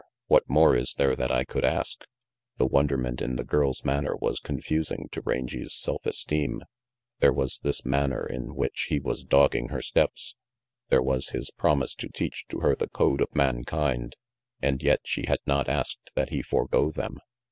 What more is there that I could ask?" The wonderment in the girl's manner was confusing to Rangy's self esteem. There was this manner in which he was dogging her steps, there was his promise to teach to her the code of mankind; and yet she had not asked that he forego them.